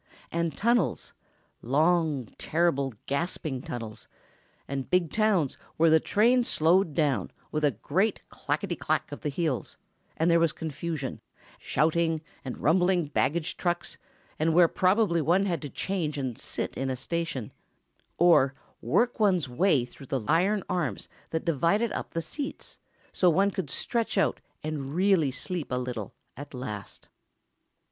And tunnels—long, terrible, gasping tunnels; and big towns where the train slowed down with a great clackety clack of wheels, and there was confusion—shouting, and rumbling baggage trucks, and where probably one had to change and sit in a station, or work one's way through the iron arms that divided up the seats, so one could stretch out, and really sleep a little, at last.